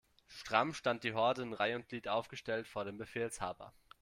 Stramm stand die Horde in Reih' und Glied aufgestellt vor dem Befehlshaber.